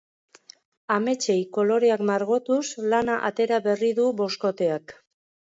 Ametsei koloreak margotuz lana atera berri du boskoteak.